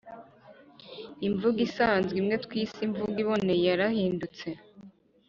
imvugo isanzwe, imwe twise imvugo iboneye, yarahindutse